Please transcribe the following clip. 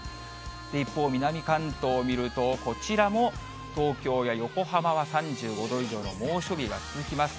一方、南関東を見ると、こちらも東京や横浜は３５度以上の猛暑日が続きます。